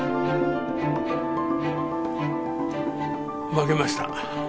負けました。